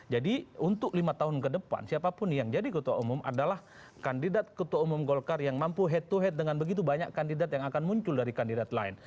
jadi untuk lima tahun ke depan siapapun yang jadi ketua umum adalah kandidat ketua umum golkar yang mampu head to head dengan begitu banyak kandidat yang akan muncul dari kandidat lain